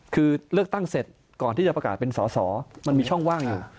คือเลือกตั้งเสร็จก่อนที่จะประกาศเป็นสอสอมันมีช่องว่างอยู่